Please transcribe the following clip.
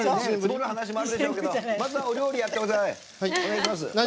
積もる話もあるでしょうがまずはお料理やってください。